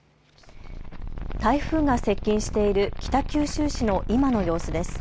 台風が接近している北九州市の今の様子です。